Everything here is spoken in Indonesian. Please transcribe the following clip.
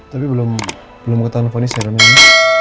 tapi belum ketahuan poni serumnya